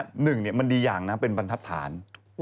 ถ้าหนึ่งเนี่ยมันดีอย่างนะเป็นบรรทัดฐาน